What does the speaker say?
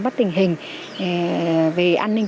bắt tình hình vì an ninh